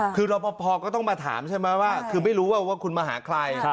คือรอปภก็ต้องมาถามใช่ไหมว่าคือไม่รู้ว่าคุณมาหาใคร